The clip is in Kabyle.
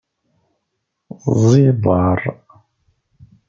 Ẓẓiḍer.